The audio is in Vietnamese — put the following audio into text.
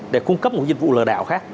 để cung cấp một dịch vụ lờ đảo khác